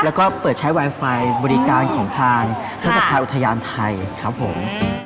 แล้วก็เปิดใช้ไวไฟบริการของทางเทศบาลอุทยานไทยครับผม